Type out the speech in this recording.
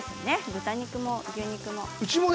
豚肉は牛肉も。